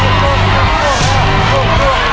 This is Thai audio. เพื่อชิงทุนต่อชีวิตสุด๑ล้านบาท